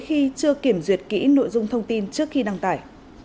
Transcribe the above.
khi chưa kiểm duyệt kỹ nội dung thông tin trước khi đăng tải